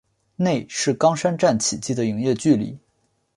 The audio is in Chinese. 内是冈山站起计的营业距离。